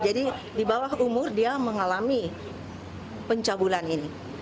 jadi di bawah umur dia mengalami pencabulan ini